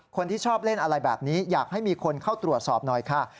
คนที่ชอบเล่นอะไรแบบนี้อยากให้มีคนเข้าตรวจสอบหน่อยค่ะ